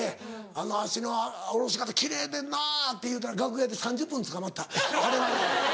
「あの足の下ろし方奇麗でんな」って言うたら楽屋で３０分つかまった「あれはね」。